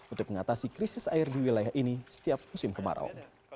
untuk mengatasi krisis air di wilayah ini setiap musim kemarau